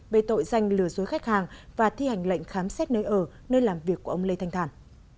về tội danh lừa dối khách hàng và thi hành lệnh khám xét nơi ở nơi làm việc của ông lê thanh thản